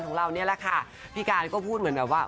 ของเรานี่แหละค่ะพี่การก็พูดเหมือนแบบว่า